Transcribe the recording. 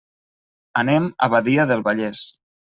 Anem a Badia del Vallès.